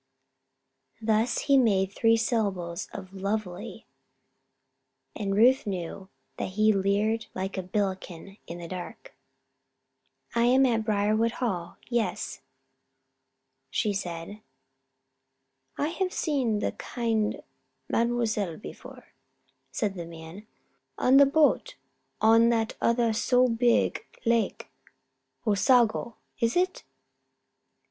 He thus made three syllables of "lovely" and Ruth knew that he leered like a Billiken in the dark. "I am at Briarwood Hall yes," she said. "I have seen the kind Mademoiselle before," said the man. "On the boat on that other so beeg lake Osago, is it?"